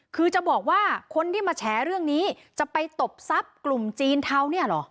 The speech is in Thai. คือจะบอกว่าคนที่มาแฉเรื่องนี้จะไปตบทรัพย์กลุ่มจีนเทาเนี่ยเหรอ